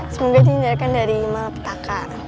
semoga dihindarkan dari malapetaka